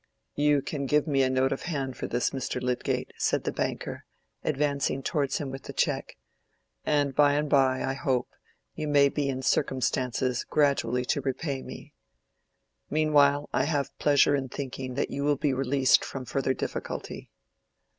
"You can give me a note of hand for this, Mr. Lydgate," said the banker, advancing towards him with the check. "And by and by, I hope, you may be in circumstances gradually to repay me. Meanwhile, I have pleasure in thinking that you will be released from further difficulty."